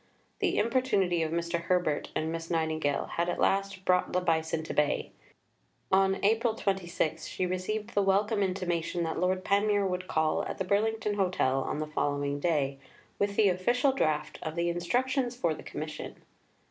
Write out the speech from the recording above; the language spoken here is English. The importunity of Mr. Herbert and Miss Nightingale had at last "brought the Bison to bay." On April 26 she received the welcome intimation that Lord Panmure would call at the Burlington Hotel on the following day with the Official Draft of the Instructions for the Commission.